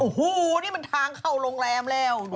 โอ้โหนี่มันทางเข้าโรงแรมแล้ว